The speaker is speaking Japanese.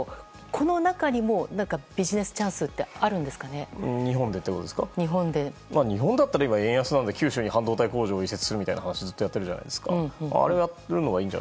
この中にもビジネスチャンスって日本だったら円安なので九州に半導体工場を移設するみたいなことをやっているじゃないですか。